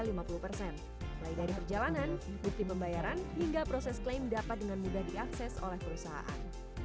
mulai dari perjalanan bukti pembayaran hingga proses klaim dapat dengan mudah diakses oleh perusahaan